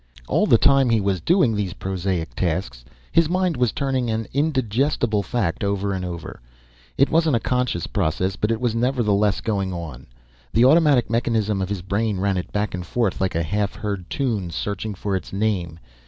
And all the time he was doing these prosaic tasks his mind was turning an indigestible fact over and over. It wasn't a conscious process, but it was nevertheless going on. The automatic mechanism of his brain ran it back and forth like a half heard tune, searching for its name.